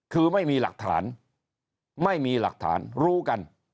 คือไม่มีหลักฐานไม่มีหลักฐานรู้กัน